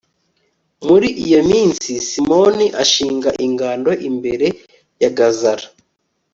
muri iyo minsi, simoni ashinga ingando imbere ya gazara